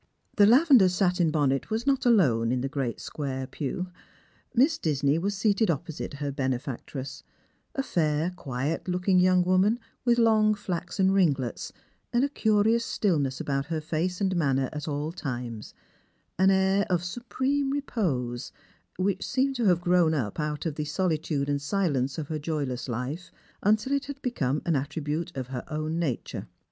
The lavender satin bonnet was not alone in the great square pew. Miss Disney was seated opposite her benefactress — a fair quiet looking young woman, with long flaxen ringlets, and a curious stillness about her face and manner at all times ; an air of supreme repose, which seemed to have grown n]) out of the solitude and silence of her joyless life until it had become an at tribute of her own nature.